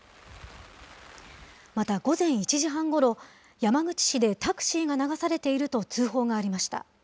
また、午前１時半ごろ、山口市でタクシーが流されていると通報がありました。